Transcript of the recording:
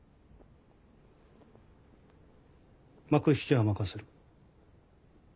幕引きは任せる。